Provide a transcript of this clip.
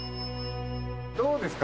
どうですか？